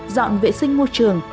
dọn vệ sinh môi trường